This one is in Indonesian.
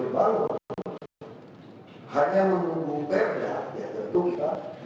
hal yang menjadi merek